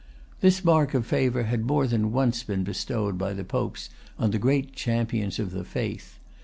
This mark of favor had more than once been bestowed by the Popes on the great champions of the faith.